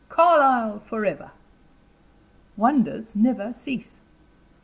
"Carlyle forever!" Wonders never cease.